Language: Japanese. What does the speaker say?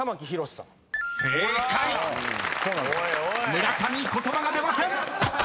［村上言葉が出ません！］